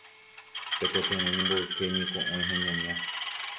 tekotevẽ ñamboyke ñeko'õi ha ñaña.